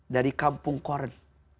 dari kampung korn